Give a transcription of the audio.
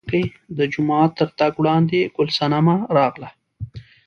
د جومات تر تګ وړاندې ګل صنمه راغله.